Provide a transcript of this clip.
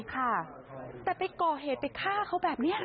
ค่ะแต่ไปก่อเหตุไปฆ่าเขาแบบนี้